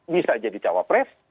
bisa jadi cawal pres